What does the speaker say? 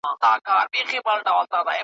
ورته جوړه په ګوښه کي هدیره سوه ,